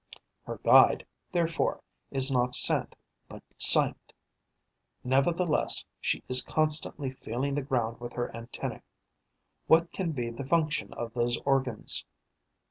Her guide, therefore is not scent, but sight. Nevertheless, she is constantly feeling the ground with her antennae. What can be the function of those organs?